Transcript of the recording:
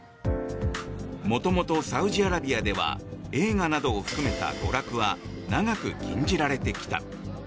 元々、サウジアラビアでは映画などを含めた娯楽は長く禁じられてきた。